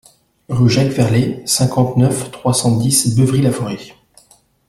Rue Jacques Varlet, cinquante-neuf, trois cent dix Beuvry-la-Forêt